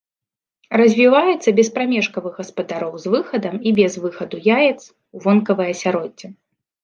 Развіваецца без прамежкавых гаспадароў з выхадам і без выхаду яец у вонкавае асяроддзе.